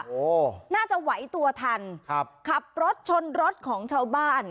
โอ้โหน่าจะไหวตัวทันครับขับรถชนรถของชาวบ้าน